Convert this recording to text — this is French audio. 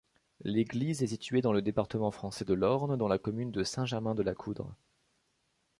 L'église est située dans le département français de l'Orne dans la commune de Saint-Germain-de-la-Coudre.